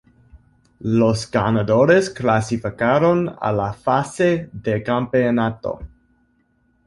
Los ganadores clasificaron a la Fase de campeonato.